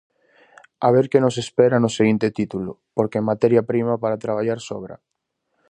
A ver que nos espera no seguinte título, porque materia prima para traballar sobra.